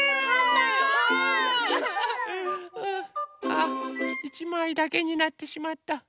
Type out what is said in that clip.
あ１まいだけになってしまった。